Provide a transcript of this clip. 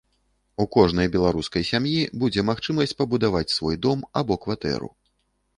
У кожнай беларускай сям'і будзе магчымасць пабудаваць свой дом або кватэру.